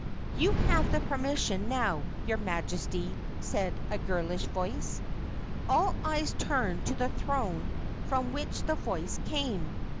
"You have the permission now, your Majesty," said a girlish voice. All eyes turned to the throne from which the voice came.